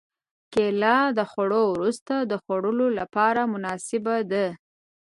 کېله د خوړو وروسته د خوړلو لپاره مناسبه ده.